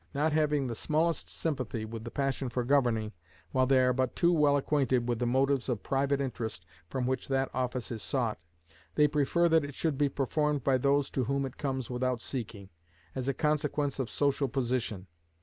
Not having the smallest sympathy with the passion for governing, while they are but too well acquainted with the motives of private interest from which that office is sought, they prefer that it should be performed by those to whom it comes without seeking, as a consequence of social position.